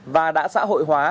và đã xã hội hóa